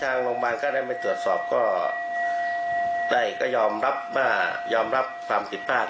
ทางโรงพยาบาลก็ได้ไม่ตรวจสอบก็ได้ก็ยอมรับว่ายอมรับความผิดพลาด